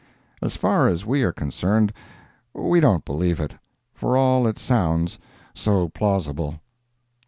As far as we are concerned, we don't believe it, for all it sounds so plausible.